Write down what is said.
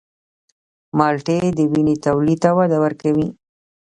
مالټې د وینې تولید ته وده ورکوي.